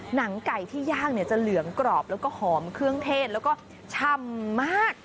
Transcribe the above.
หนังไก่ที่ย่างเนี่ยจะเหลืองกรอบแล้วก็หอมเครื่องเทศแล้วก็ชำมาก